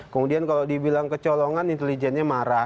kemudian kalau dibilang kecolongan intelijennya marah